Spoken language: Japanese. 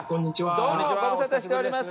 「どうもご無沙汰しております」